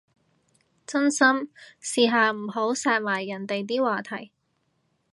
真心，試下唔好殺埋人哋啲話題